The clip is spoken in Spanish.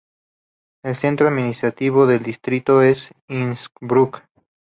El centro administrativo del distrito es Innsbruck.